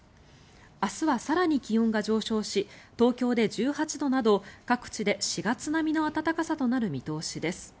明日は更に気温が上昇し東京で１８度など各地で４月並みの暖かさとなる見通しです。